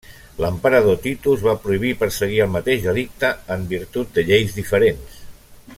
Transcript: L'emperador Titus va prohibir perseguir el mateix delicte en virtut de lleis diferents.